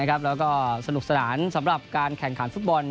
แล้วก็สนุกสนานสำหรับการแข่งขันฟุตบอล